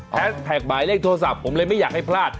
แท็กแพรคไหมเลขโทรศัพท์ผมเล่นไม่อยากให้พลาด